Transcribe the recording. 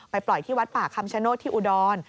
ปล่อยที่วัดป่าคำชโนธที่อุดร